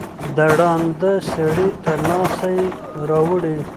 د ړانده سړي تر لاسه یې راوړی